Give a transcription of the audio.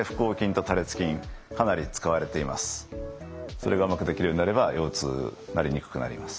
それがうまくできるようになれば腰痛なりにくくなります。